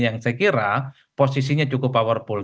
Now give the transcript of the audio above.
yang saya kira posisinya cukup powerful